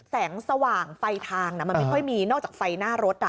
แสงสว่างไฟทางมันไม่ค่อยมีนอกจากไฟหน้ารถ